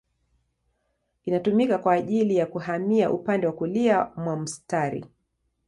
Inatumika kwa ajili ya kuhamia upande wa kulia mwa mstari.